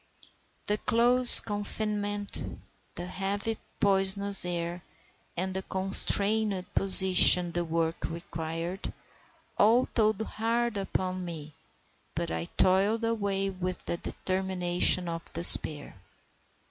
The close confinement, the heavy, poisonous air, and the constrained position the work required, all told hard upon me; but I toiled away with the determination of despair.